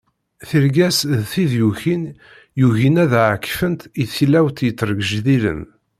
Tirga-s d tid yukin yugin ad ɛekfent i tilawt yettrejdilen.